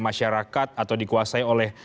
masyarakat atau dikuasai oleh